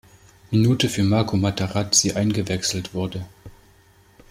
Minute für Marco Materazzi eingewechselt wurde.